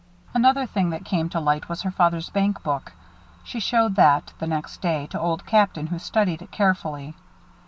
Another thing that came to light was her father's bankbook. She showed that, the next day, to Old Captain, who studied it carefully.